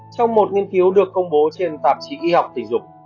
trong một nghiên cứu được công bố trên tạp chí y học tình dục